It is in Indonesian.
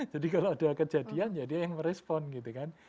jadi kalau ada kejadian jadi yang respon gitu kan